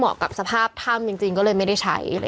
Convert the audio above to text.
มากกับสภาพทำอยู่จริงก็เลยไม่ใช้